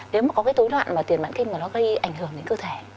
nếu mà có cái tối loạn mà tiền mẵn kinh mà nó gây ảnh hưởng đến cơ thể